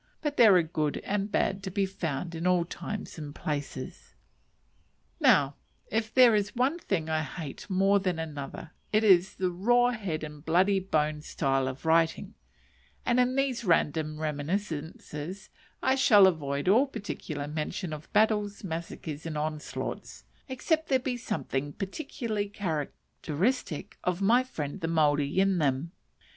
But there are good and bad to be found in all times and places. Now if there is one thing I hate more than another it is the raw head and bloody bones style of writing, and in these random reminiscences I shall avoid all particular mention of battles, massacres, and onslaughts; except there be something particularly characteristic of my friend the Maori in them.